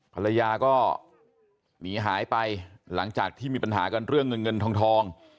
ภรรยาก็หนีหายไปหลังจากที่มีปัญหากันเรื่องเงินเงินทอง